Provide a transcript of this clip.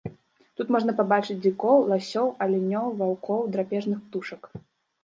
Тут можна пабачыць дзікоў, ласёў, алянёў, ваўкоў, драпежных птушак.